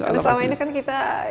karena selama ini kan kita